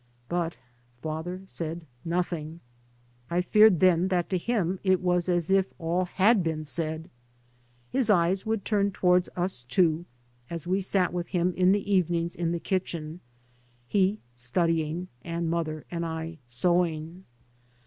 But father said nothing. I feared then that to him it was as if all had been said. His eyes would turn toward us two, as we sat with him in the evenings in the kitchen, he studying, and mother and I sewing.